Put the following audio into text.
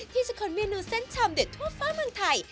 ที่จะขนเมนูเส้นชามเด็ดทั่วฟ้าเมืองไทย